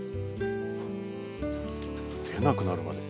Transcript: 出なくなるまで。